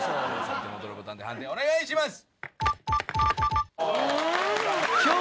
お手元のボタンで判定お願いします。